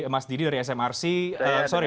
mas didi dari smrc sorry